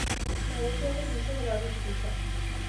manager نے دوسرے ملازم سے پوچھا